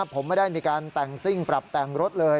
ผมไม่ได้มีการแต่งซิ่งปรับแต่งรถเลย